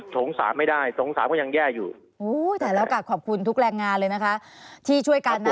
ตามขั้นบันไดอย่างเงี้ย